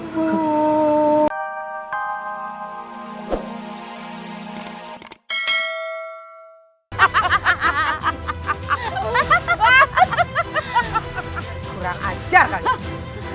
kurang ajar kan